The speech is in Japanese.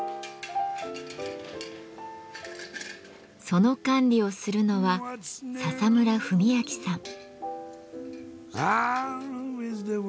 その管理をするのは笹村文明さん。